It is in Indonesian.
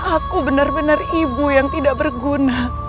aku benar benar ibu yang tidak berguna